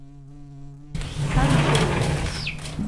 Sen dışarı çık.